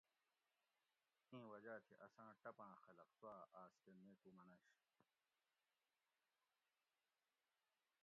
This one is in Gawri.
اِیں وجاۤ تھی اساۤں ٹپاۤں خلق سُوا آس کہ نیکو مننش